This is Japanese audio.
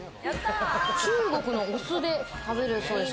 中国のお酢で食べるそうです。